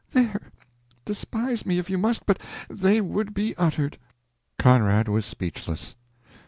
There, despise me if you must, but they would be uttered!" Conrad was speechless.